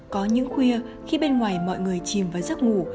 có những khuya khi bên ngoài mọi người chìm vào giấc ngủ